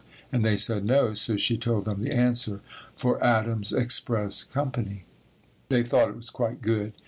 and they said no, so she told them the answer, "for Adam's express company." They thought it was quite good.